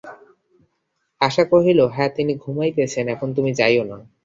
আশা কহিল, হাঁ, তিনি ঘুমাইতেছেন, এখন তুমি যাইয়ো না।